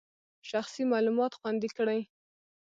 شخصي معلومات خوندي کړئ.